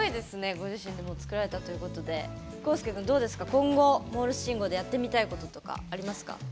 ご自身でも作られたということでコウスケ君、どうですか今後、モールス信号でやってみたいこととかありますか？